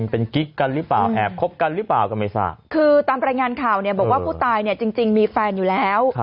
เป็นกิ๊กกันหรือเปล่าแอบคบกันหรือเปล่าก็ไม่ทราบคือตามรายงานข่าวเนี่ยบอกว่าผู้ตายเนี่ยจริงมีแฟนอยู่แล้ว